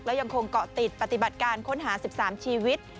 และยังคงเกาะติดปฏิบัติการค้นหา๑๓ชีวิต